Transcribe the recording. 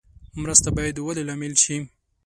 مرسته باید د ودې لامل شي.